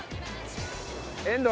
遠藤！